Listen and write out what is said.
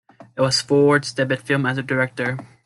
It was Ford's debut film as a director.